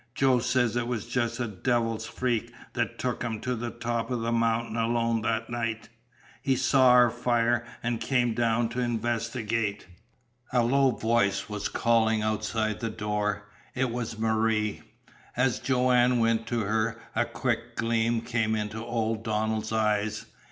Joe says it was just a devil's freak that took 'im to the top of the mountain alone that night. He saw our fire an' came down to investigate." A low voice was calling outside the door. It was Marie. As Joanne went to her a quick gleam came into old Donald's eyes.